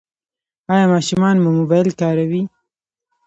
ایا ماشومان مو موبایل کاروي؟